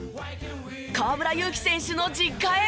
河村勇輝選手の実家へ。